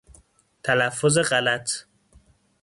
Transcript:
تلفظ غلط